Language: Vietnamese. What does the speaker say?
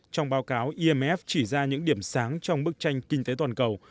trong báo cáo imf chỉ ra những điểm sáng trong bức tranh kinh tế toàn cầu